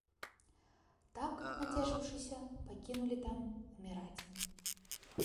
Так, нацешыўшыся, пакінулі там уміраць.